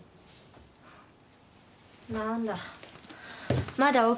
何だ。